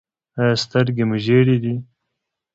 ایا سترګې مو ژیړې دي؟